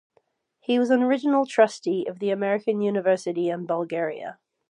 He was an original trustee of the American University in Bulgaria.